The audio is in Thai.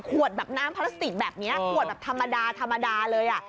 ขวดน้ำพลาสติกแบบนี้ขวดแบบธรรมดาเลยอะ